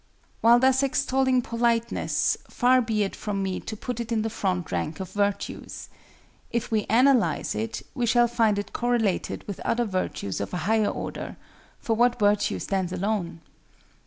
While thus extolling Politeness, far be it from me to put it in the front rank of virtues. If we analyze it, we shall find it correlated with other virtues of a higher order; for what virtue stands alone?